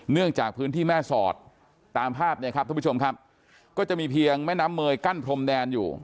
จากพื้นที่แม่สอดตามภาพเนี่ยครับท่านผู้ชมครับก็จะมีเพียงแม่น้ำเมยกั้นพรมแดนอยู่